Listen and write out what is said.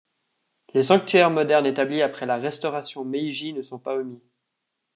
Les sanctuaires modernes établis après la restauration Meiji ne sont pas omis.